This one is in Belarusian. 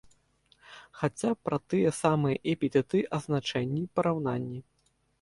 Хаця б пра тыя самыя эпітэты, азначэнні, параўнанні.